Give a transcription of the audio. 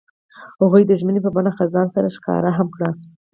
هغوی د ژمنې په بڼه خزان سره ښکاره هم کړه.